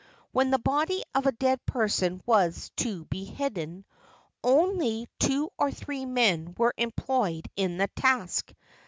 When the body of a dead person was to be hidden, only two or three men were employed in the task.